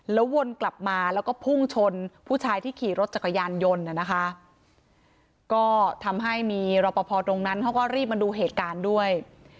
แล้ววนกลับมาแล้วก็พุ่งชนผู้ชายที่ขี่รถจักรยานยนต์นะคะก็ทำให้มีรอปภตรงนั้นเขาก็รีบมาดูเหตุการณ์ด้วย